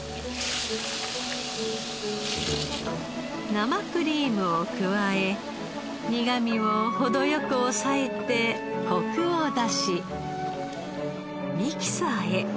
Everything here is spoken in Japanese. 生クリームを加え苦みを程良く抑えてコクを出しミキサーへ。